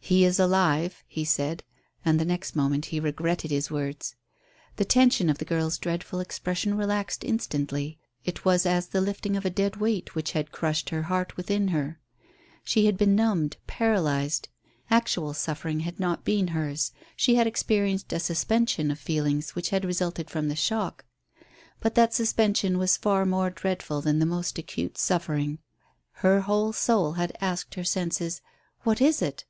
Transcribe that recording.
"He is alive," he said. And the next moment he regretted his words. The tension of the girl's dreadful expression relaxed instantly. It was as the lifting of a dead weight which had crushed her heart within her. She had been numbed, paralyzed. Actual suffering had not been hers, she had experienced a suspension of feeling which had resulted from the shock. But that suspension was far more dreadful than the most acute suffering. Her whole soul had asked her senses, "What is it?"